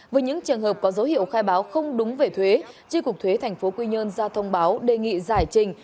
với những trường hợp có dấu hiệu khai báo không đúng về thuế tri cục thuế tp quy nhơn ra thông báo đề nghị giải trình